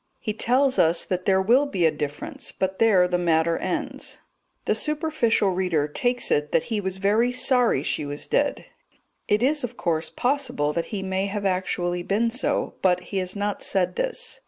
He tells us that there will be a difference; but there the matter ends. The superficial reader takes it that he was very sorry she was dead; it is, of course, possible that he may have actually been so, but he has not said this.